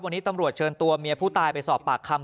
วันนี้ตำรวจเชิญตัวเมียผู้ตายไปสอบปากคำ